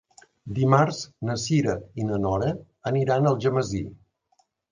Dimarts na Cira i na Nora aniran a Algemesí.